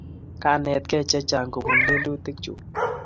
Kanetkey chechang' kopun lelutik chuk